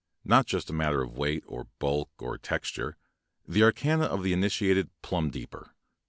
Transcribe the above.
Not just a matter of weight or bulk or texture — the arcana of the initiated plumb deeper.